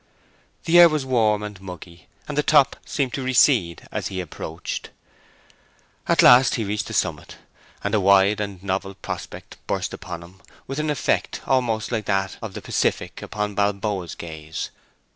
The air was warm and muggy, and the top seemed to recede as he approached. At last he reached the summit, and a wide and novel prospect burst upon him with an effect almost like that of the Pacific upon Balboa's gaze.